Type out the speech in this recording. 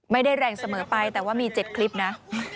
ไม่ได้แรงเสมอไปแต่ว่ามี๗คลิปนะ